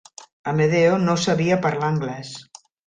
Amedeo no sabia parlar anglès.